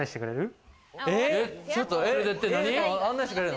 案内してくれる。